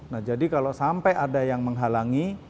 nah jadi kalau sampai ada yang menghalangi